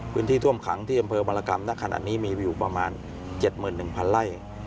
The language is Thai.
พื้นที่ท่วมขังที่อำเภอวรกรรมณขณะนี้มีอยู่ประมาณ๗๑๐๐๐ไร่